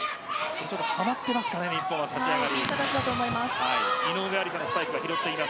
はまっていますかね日本は立ち上がり。